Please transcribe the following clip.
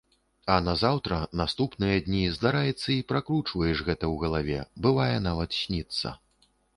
А назаўтра, наступныя дні, здараецца, і пракручваеш гэта ў галаве, бывае, нават сніцца.